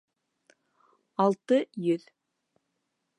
Алты йөҙ